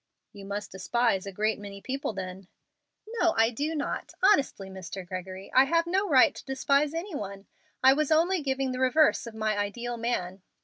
"You must despise a great many people then." "No, I do not. Honestly, Mr. Gregory, I have no right to despise any one. I was only giving the reverse of my ideal man.